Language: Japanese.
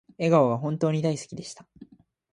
笑顔が本当に大好きでした